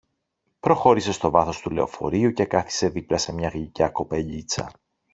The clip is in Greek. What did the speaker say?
Προχώρησε στο βάθος του λεωφορείου και κάθισε δίπλα σε μία γλυκιά κοπελίτσα